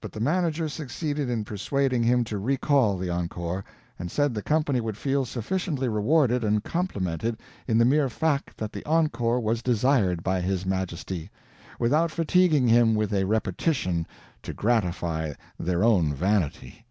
But the manager succeeded in persuading him to recall the encore, and said the company would feel sufficiently rewarded and complimented in the mere fact that the encore was desired by his Majesty, without fatiguing him with a repetition to gratify their own vanity.